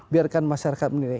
biarkan masyarakat menilai